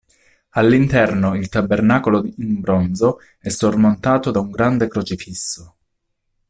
All'interno, il tabernacolo in bronzo è sormontato da un grande crocifisso.